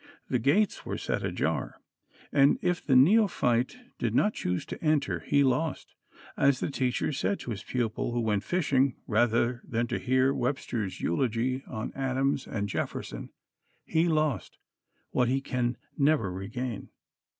The gates were set ajar, and if the neophyte did not choose to enter, he lost as the teacher said to his pupil who went fishing rather than to hear Webster's eulogy on Adams and Jefferson he lost what he can never regain.